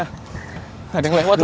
nggak ada yang lewat lagi